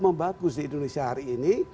membagus di indonesia hari ini